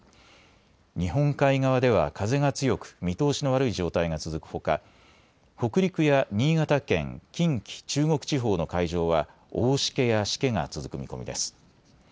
日本海側では風が強く、見通しの悪い状態が続くほか北陸や新潟県、近畿、中国地方の海上は大しけやしけが続く見込みです。